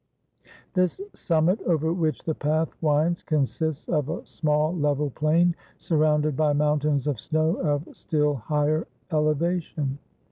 This summit, over which the path winds, consists of a small level plain, surrounded by mountains of snow of still higher ele vation.